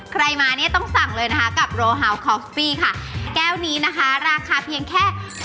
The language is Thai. ใครมาเนี่ยต้องสั่งเลยนะคะกับโรฮาวคอฟฟี่ค่ะแก้วนี้นะคะราคาเพียงแค่